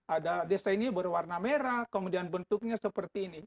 ada desainnya berwarna merah kemudian bentuknya seperti ini